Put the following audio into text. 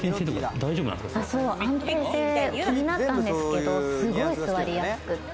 安定性、気になったんですけどすごい座りやすくって